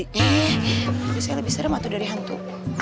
eh tapi saya lebih sederhana dari hantu